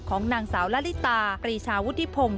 ของนางสาวละลิตาปรีชาวุฒิพงศ์